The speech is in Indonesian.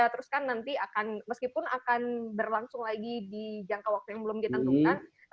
terus kan nanti akan meskipun akan berlangsung lagi di jangka waktu yang belum ditentukan